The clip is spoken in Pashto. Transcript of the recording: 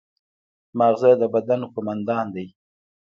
ماغزه د بدن قوماندان دی